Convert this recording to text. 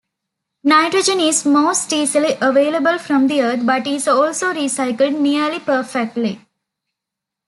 Nitrogen is most easily available from the Earth, but is also recycled nearly perfectly.